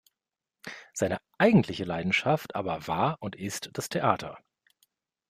Seine eigentliche Leidenschaft aber war und ist das Theater.